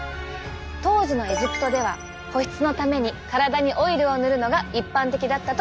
当時のエジプトでは保湿のために体にオイルを塗るのが一般的だったといわれているんです。